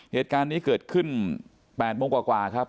เหตุการณ์นี้เกิดขึ้น๘โมงกว่าครับ